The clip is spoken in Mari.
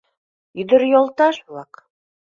Ӱдыр йолташ-влак!